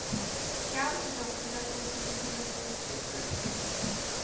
Gout did not prevent me from reading our newspaper.